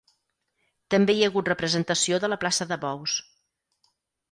També hi ha hagut representació de la plaça de bous.